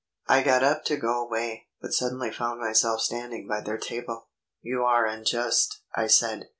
_" I got up to go away, but suddenly found myself standing by their table. "You are unjust," I said.